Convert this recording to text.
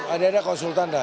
ada ada konsultan dah